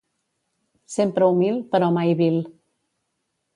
Sempre humil, però mai vil.